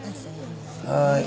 はい。